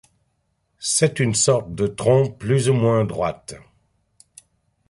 C'est une sorte de trompe plus ou moins droite.